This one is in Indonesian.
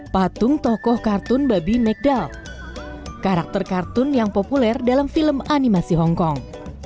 patung tokoh kartun babi mcd karakter kartun yang populer dalam film animasi hongkong